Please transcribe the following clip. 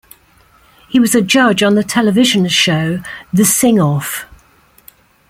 He was a judge on the television show "The Sing-Off".